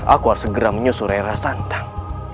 aku harus segera menyusuri ray rara santang